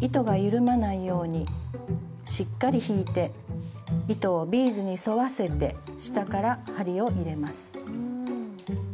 糸が緩まないようにしっかり引いて糸をビーズに沿わせて下から針を入れます。